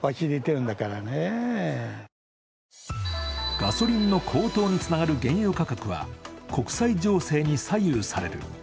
ガソリンの高騰につながる原油価格は国際情勢に左右される。